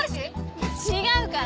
違うから。